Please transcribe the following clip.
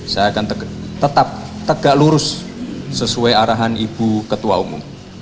saya akan tetap tegak lurus sesuai arahan ibu ketua umum